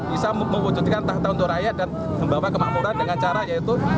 bisa mewujudkan tahun tahun doa rakyat dan membawa kemakmuran dengan cara yaitu